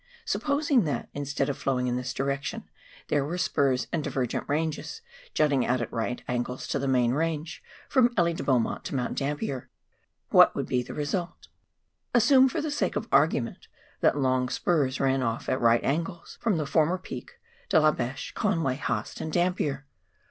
Supposing that, instead of flowing in this direction, there were spurs and divergent ranges jutting out at right angles to the main range, from Ehe de Beaumont to Mount Dampier, what would be the result 1 Assume, for sake of argument, that long spurs ran ofi" at right angles from the former Peak, De la Beche, Conway, Haast, and Dampier.